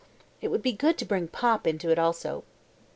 It would be good to bring "pop" into it also.